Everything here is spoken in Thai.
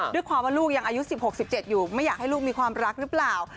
ด้วยความว่าลูกยังอายุ๑๖๑๗อยู่ไม่อยากให้ลูกมีความรักหรือเปล่า